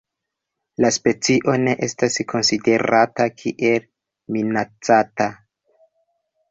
La specio ne estas konsiderata kiel minacata.